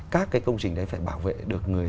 các cái công trình đấy phải bảo vệ được